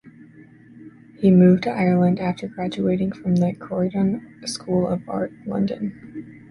He moved to Ireland after graduating from the Croydon School of Art, London.